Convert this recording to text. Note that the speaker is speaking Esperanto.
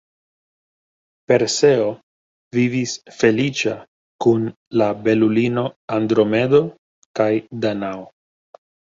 Perseo vivis feliĉa kun la belulino Andromedo kaj Danao.